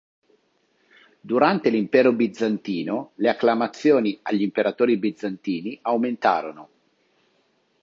Durante l'Impero bizantino le acclamazioni agli imperatori bizantini aumentarono.